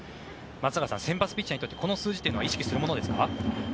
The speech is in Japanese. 松坂さん先発ピッチャーにとってこの数字というのは意識するものですか？